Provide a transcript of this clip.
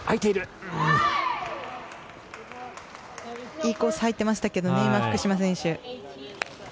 いいコースに入ってましたけどね、福島選手。